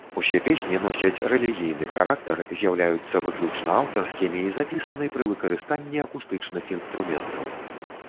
Усё песні носяць рэлігійны характар, з'яўляюцца выключна аўтарскімі і запісаны пры выкарыстанні акустычных інструментаў.